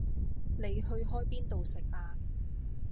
你去開邊度食晏